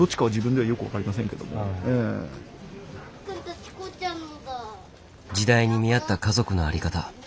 すごい！時代に見合った家族の在り方。